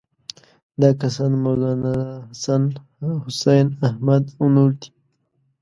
دا کسان مولناحسن، حسین احمد او نور دي.